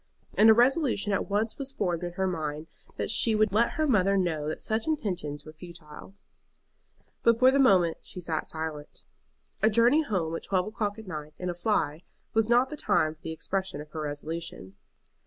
And a resolution at once was formed in her mind that she would let her mother know that such intentions were futile. But for the moment she sat silent. A journey home at twelve o'clock at night in a fly was not the time for the expression of her resolution.